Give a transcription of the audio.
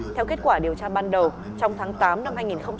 theo kết quả điều tra ban đầu trong tháng tám năm hai nghìn hai mươi ba